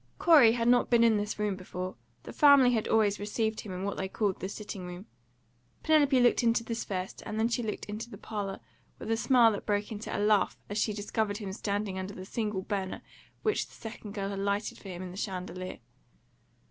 Corey had not been in this room before; the family had always received him in what they called the sitting room. Penelope looked into this first, and then she looked into the parlour, with a smile that broke into a laugh as she discovered him standing under the single burner which the second girl had lighted for him in the chandelier.